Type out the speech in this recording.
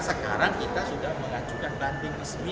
sekarang kita sudah mengajukan banding resmi